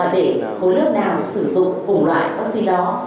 để khối lớp nào sử dụng cùng loại vaccine